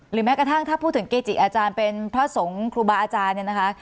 แม้กระทั่งถ้าพูดถึงเกจิอาจารย์เป็นพระสงฆ์ครูบาอาจารย์เนี่ยนะคะ